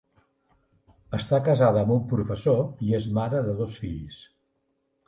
Està casada amb un professor i és mare de dos fills.